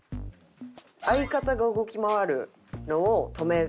「相方が動き回るのを止めてる」